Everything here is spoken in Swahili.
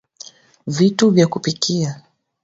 Vitu vya kupikia